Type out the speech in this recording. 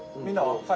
みんなは？